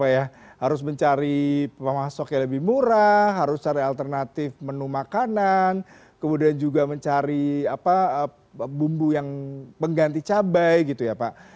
harus mencari pemasok yang lebih murah harus cari alternatif menu makanan kemudian juga mencari bumbu yang pengganti cabai gitu ya pak